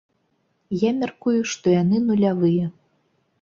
Я мяркую, што яны нулявыя.